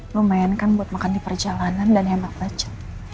lumayan kan buat makan di perjalanan dan hemat aja